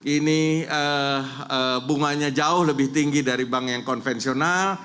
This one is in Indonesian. ini bunganya jauh lebih tinggi dari bank yang konvensional